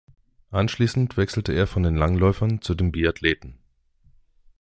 Anschließend wechselte er von den Langläufern zu den Biathleten.